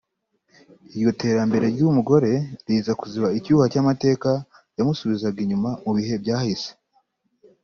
Iryo terambere ry’umugore riza kuziba icyuho cy’amateka yamusubizaga inyuma mu bihe byahise